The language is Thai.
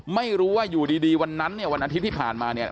ไม่รู้ว่าอยู่ดีวันนั้นเนี่ยวันอาทิตย์ที่ผ่านมาเนี่ย